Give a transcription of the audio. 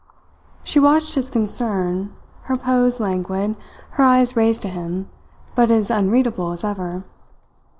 She watched his concern, her pose languid, her eyes raised to him, but as unreadable as ever.